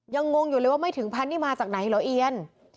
งงอยู่เลยว่าไม่ถึงพันนี่มาจากไหนเหรอเอียน